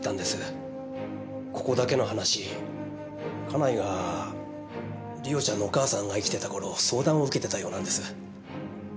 ここだけの話家内が梨緒ちゃんのお母さんが生きてた頃相談を受けてたようなんです。